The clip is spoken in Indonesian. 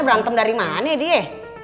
berantem dari mana dia